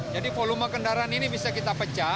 jadi volume kendaraan ini bisa kita pecah